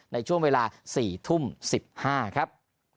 ในช่วงเวลา๔ทุ่ม๑๕ครับ